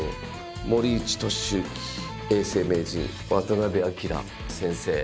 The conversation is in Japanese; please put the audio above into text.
森内俊之永世名人渡辺明先生。